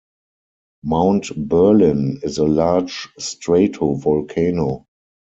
Mount Berlin is a large stratovolcano.